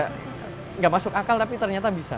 tidak masuk akal tapi ternyata bisa